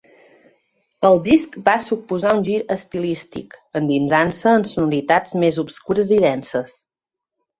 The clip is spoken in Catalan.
El disc va suposar un gir estilístic, endinsant-se en sonoritats més obscures i denses.